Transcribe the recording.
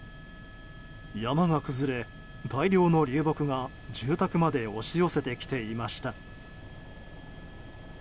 山が崩れ、大量の流木が住宅まで押し寄せてきていました。